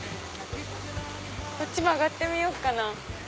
こっち曲がってみようかな。